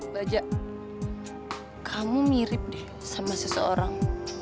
baja kamu mirip deh sama seseorang